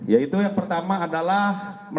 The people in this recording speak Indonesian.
yaitu yang pertama adalah